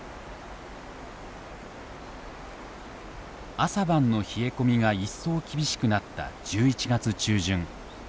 朝晩の冷え込みが一層厳しくなった１１月中旬。